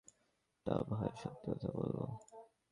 তা ভাই, সত্যি কথা বলব?